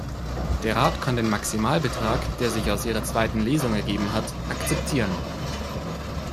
Der Rat kann den Maximalbetrag, der sich aus Ihrer zweiten Lesung ergeben hat, akzeptieren.